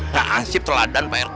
tak asyik teladan pak rt